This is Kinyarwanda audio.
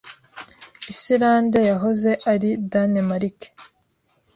Isilande yahoze ari Danemarke.